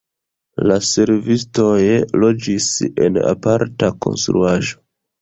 La servistoj loĝis en aparta konstruaĵo.